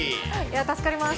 助かります。